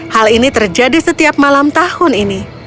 hal ini terjadi setiap malam tahun ini